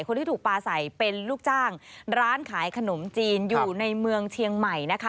คนที่ถูกปลาใส่เป็นลูกจ้างร้านขายขนมจีนอยู่ในเมืองเชียงใหม่นะคะ